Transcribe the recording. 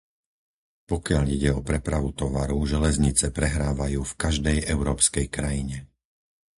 Pokiaľ ide o prepravu tovaru, železnice prehrávajú v každej európskej krajine.